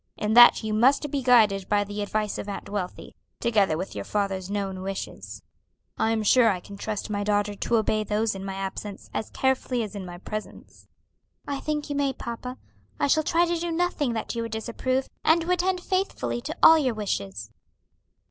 In that you must be guided by the advice of Aunt Wealthy, together with your father's known wishes. I am sure I can trust my daughter to obey those in my absence as carefully as in my presence." "I think you may, papa. I shall try to do nothing that you would disapprove, and to attend faithfully to all your wishes."